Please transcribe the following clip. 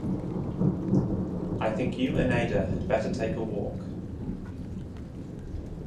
I think you and Ada had better take a walk.